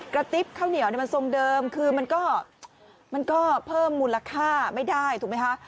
ติ๊บข้าวเหนียวมันทรงเดิมคือมันก็เพิ่มมูลค่าไม่ได้ถูกไหมคะ